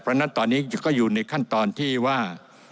เพราะฉะนั้นตอนนี้ก็อยู่ในขั้นตอนที่ว่า